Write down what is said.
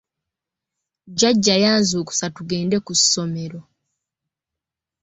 Jjajja yanzuukusa tugende ku ssomero.